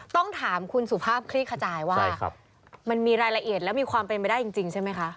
ต้องถามคุณสุภาพคลี่ขจายว่ามันมีรายละเอียดและมีความเป็นไปได้จริงใช่ไหมคะ